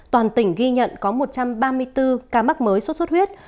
toàn tỉnh ghi nhận có một trăm ba mươi bốn ca mắc mới suốt suốt huyết